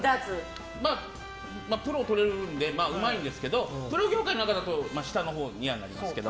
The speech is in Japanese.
まあ、プロとれるんでうまいんですけどプロ業界の中だと下のほうにはなりますけど。